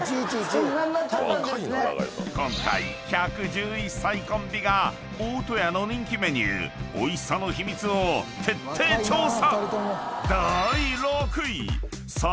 ［今回１１１歳コンビが大戸屋の人気メニューおいしさの秘密を徹底調査］